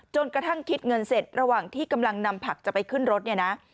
กระทั่งคิดเงินเสร็จระหว่างที่กำลังนำผักจะไปขึ้นรถเนี่ยนะ